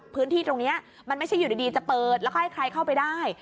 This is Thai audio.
พื้นที่ตรงนี้มันไม่ใช่อยู่ดีจะเปิดแล้วก็ให้ใครเข้าไปได้